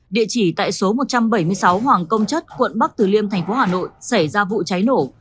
địa chỉ tại số một trăm bảy mươi sáu hoàng công chất quận bắc từ liêm thành phố hà nội xảy ra vụ cháy nổ